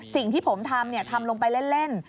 สิ่งที่ผมทำทำลงไปเล่น